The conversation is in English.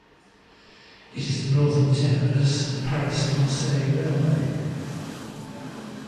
It is the northern terminus of the Paris-Marseille railway.